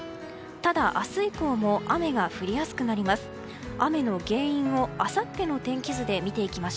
ただ、明日以降も雨が降りやすくなります。